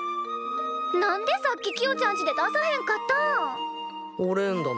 何でさっきキヨちゃんちで出さへんかったん！？